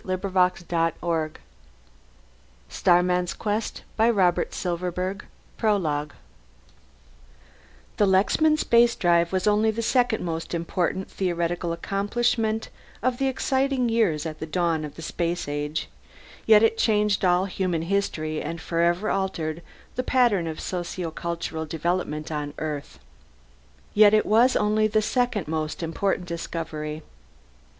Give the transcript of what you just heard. Robert Silverberg 17 May 2008 FOR BILL EDGERTON 1933 1956 Prologue The Lexman Spacedrive was only the second most important theoretical accomplishment of the exciting years at the dawn of the Space Age, yet it changed all human history and forever altered the pattern of sociocultural development on Earth. Yet it was only the second most important discovery.